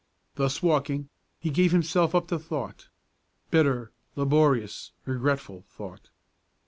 Thus walking, he gave himself up to thought, bitter, laborious, regretful thought.